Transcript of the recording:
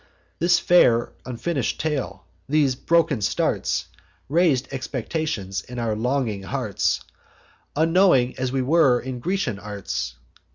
This fair unfinish'd tale, these broken starts, Rais'd expectations in our longing hearts: Unknowing as we were in Grecian arts.